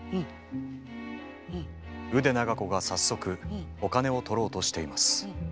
腕長子が早速お金を取ろうとしています。